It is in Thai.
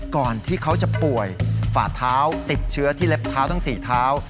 ก่อนที่เขาจะป่วยฝ่าเท้าติดเชื้อที่เล็บเท้าทั้ง๔เท้า